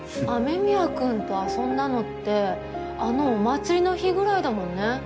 雨宮くんと遊んだのってあのお祭りの日ぐらいだもんね。